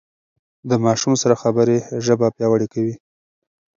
د ماشوم سره خبرې ژبه پياوړې کوي.